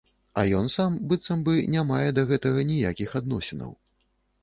А ён сам быццам бы не мае да гэтага ніякіх адносінаў.